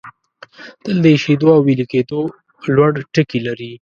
تل د ایشېدو او ویلي کېدو لوړ ټکي لري.